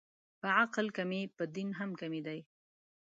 په عقل کمې، په دین هم کمې دي